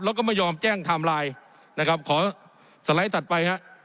แล้วก็ไม่ยอมแจ้งไทม์ไลน์นะครับขอสไลด์ถัดไปฮะ